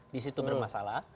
di situng bermasalah